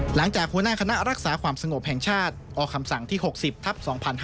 หลังจากหัวหน้าคณะรักษาความสงบแห่งชาติออกคำสั่งที่๖๐ทัพ๒๕๕๙